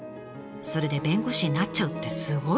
それで弁護士になっちゃうってすごい！